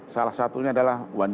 salah satunya adalah wandu